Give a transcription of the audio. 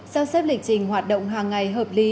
sao xếp lịch trình hoạt động hàng ngày hợp lý